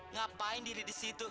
ngapain diri di situ